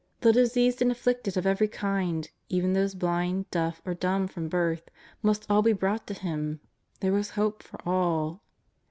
The diseased and afflicted of every kind, even those blind, deaf or dumb from birth, must all be brought to Him ; there was hope for all.